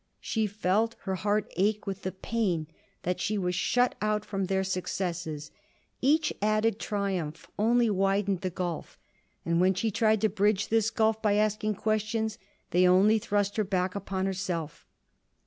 She felt her heart ache with the pain that she was shut out from their successes. Each added triumph only widened the gulf. And when she tried to bridge this gulf by asking questions, they only thrust her back upon herself.